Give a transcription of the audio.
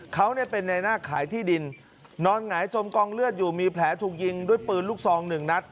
เขาเนี่ยเป็นในหน้าขายที่ดินนอนหงายจมกองเลือดอยู่มีแผลถูกยิงด้วยปืนลูกซองหนึ่งนัด